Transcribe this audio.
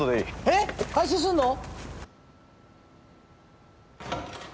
えっ回収すんの？